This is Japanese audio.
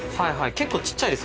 結構ちっちゃいですよね。